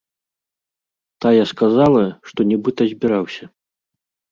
Тая сказала, што нібыта збіраўся.